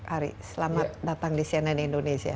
ari selamat datang di cnn indonesia